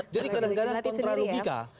jadi kadang kadang kontralogika